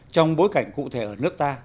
trong bối cảnh cụ thể ở nước ta